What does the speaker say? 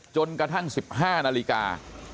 จนกระทั่ง๑๕นาฬิกา